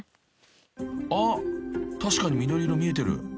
［あっ確かに緑色見えてる］